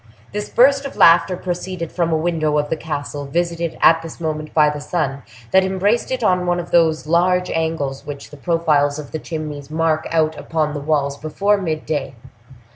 This burst of laughter proceeded from a window of the castle, visited at this moment by the sun, that embraced it in one of those large angles which the profiles of the chimneys mark out upon the walls before mid day.